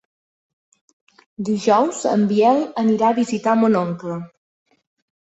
Dijous en Biel anirà a visitar mon oncle.